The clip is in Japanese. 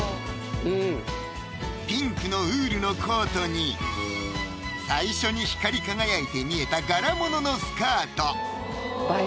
うんピンクのウールのコートに最初に光り輝いて見えた柄物のスカート映え